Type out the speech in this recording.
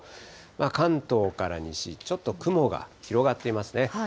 関東から西、ちょっと雲が広がっていますね。